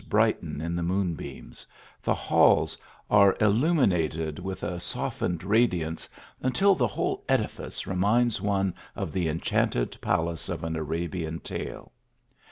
brighten in the moon beams ; the halls are illumi nated with a softened radiance, until the whole edi fice reminds one of the enchanted palace of an Arabian tale.